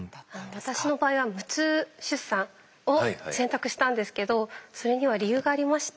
私の場合は無痛出産を選択したんですけどそれには理由がありまして。